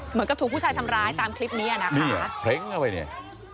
เหมือนกับถูกผู้ชายทำร้ายตามคลิปนี้อ่ะนะคะเพลงเข้าไปเนี่ย